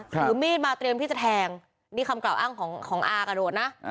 ถือมีดมาเตรียมที่จะแทงนี่คำกล่าวอ้างของอากระโดดนะ